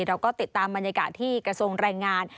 เราก็ติดตามบรรยากาศที่กระทรวงแรงงาน